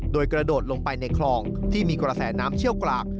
โดยกระโดดลงไปในคลองที่มีกระแสน้ำเชี่ยวกราก